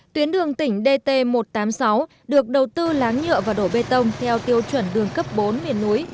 tuyến đường tỉnh dt một trăm tám mươi sáu được đầu tư láng nhựa và đổ bê tông theo tiêu chuẩn đường cấp bốn miền núi